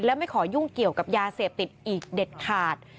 และไม่ขอยุ่งเกี่ยวกับยาเสพติดอีกเด็ดขาด